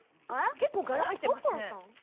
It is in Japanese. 結構柄入ってますね。